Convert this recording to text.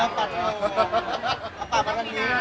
ปัดผมหน่อย